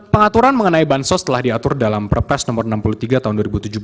pengaturan mengenai bansos telah diatur dalam perpres nomor enam puluh tiga tahun dua ribu tujuh belas